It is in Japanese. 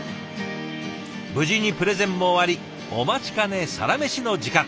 無事にプレゼンも終わりお待ちかねサラメシの時間。